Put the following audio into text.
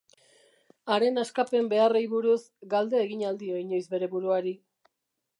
Haren askapen beharrei buruz galde egin al dio inoiz bere buruari?